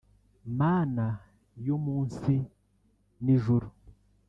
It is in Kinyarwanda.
Mana yo munsi n’ijuru